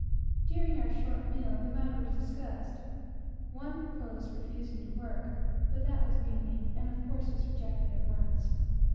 During our short meal, the matter was discussed. One proposed refusing to work; but that was mutiny, and of course was rejected at once.